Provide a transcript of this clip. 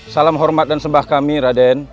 salam hormat dan sebah kami raden